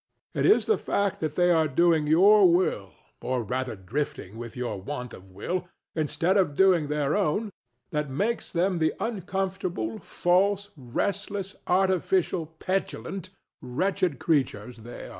It is the fact that they are doing your will, or rather drifting with your want of will, instead of doing their own, that makes them the uncomfortable, false, restless, artificial, petulant, wretched creatures they are.